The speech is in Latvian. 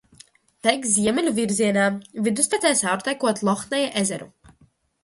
Tek ziemeļu virzienā, vidustecē caurtekot Lohneja ezeru.